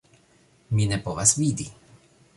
Mi ne povas vidi